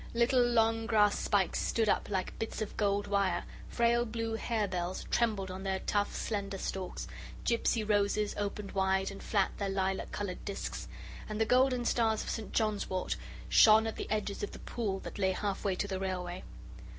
Little long grass spikes stood up like bits of gold wire, frail blue harebells trembled on their tough, slender stalks, Gipsy roses opened wide and flat their lilac coloured discs, and the golden stars of St. John's Wort shone at the edges of the pool that lay halfway to the Railway.